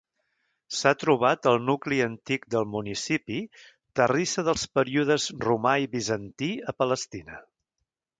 S'ha trobat al nucli antic del municipi terrissa dels períodes romà i bizantí a Palestina.